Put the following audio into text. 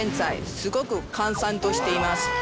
すごく閑散としています。